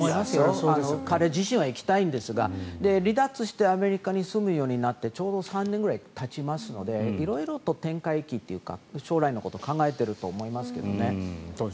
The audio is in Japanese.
彼自身は行きたいんですが離脱してアメリカに住むようになってちょうど３年ぐらいたちますので色々と展開期というか将来のことを東輝さん。